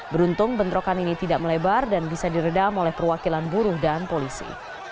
beruntung bentrokan ini tidak melebar dan bisa diredam oleh perwakilan buruh dan polisi